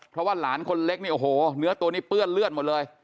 เพราะว่าหลานคนเล็กเนี่ยโอ้โหเนื้อตัวนี้เปื้อนเลือดหมดเลย